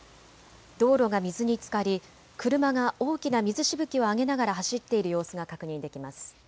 道路が水につかり、車が大きな水しぶきを上げながら走っている様子が確認できます。